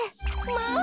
まあ！